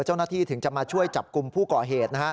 เจ้าหน้าที่ถึงจะมาช่วยจับกลุ่มผู้ก่อเหตุ